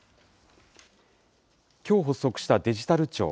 きょう発足したデジタル庁。